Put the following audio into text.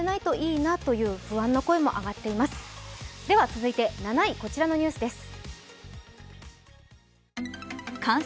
続いて７位、こちらのニュースです。